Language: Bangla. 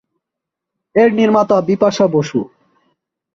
এর নির্মাতা বিপাশা বসু।